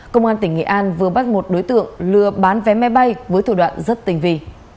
công an tỉnh nghệ an vừa bắt một đối tượng lừa bán vé máy bay với thủ đoạn rất tình vị